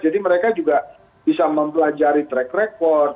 jadi mereka juga bisa mempelajari track record